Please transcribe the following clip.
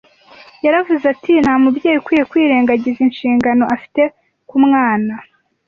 Yaravuze ati ntamubyeyi ukwiye kwirengagiza inshingano afite ku mwana